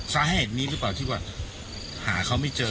สาเหตุนี้หรือเปล่าที่ว่าหาเขาไม่เจอ